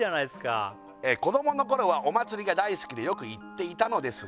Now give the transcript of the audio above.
「子どもの頃はお祭りが大好きでよく行っていたのですが」